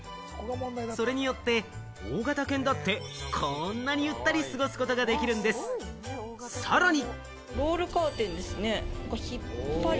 それによって大型犬だってこんなにゆったり過ごすことができるんです。さらに。